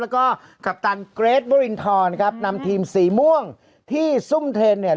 แล้วก็กัปตันเกรทวรินทรครับนำทีมสีม่วงที่ซุ่มเทนเนี่ย